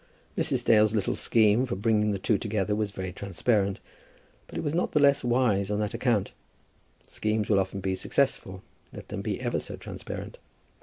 Mrs. Dale's little scheme for bringing the two together was very transparent, but it was not the less wise on that account. Schemes will often be successful, let them be ever so transparent.